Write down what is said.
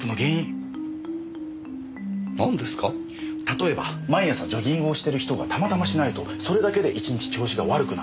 例えば毎朝ジョギングをしてる人がたまたましないとそれだけで１日調子が悪くなる。